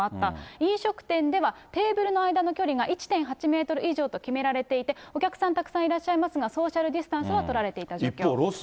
飲食店では、テーブルの間の距離が１．８メートル以上と決められていて、お客さん、たくさんいらっしゃいますが、ソーシャルディスタンスは取られていた状況。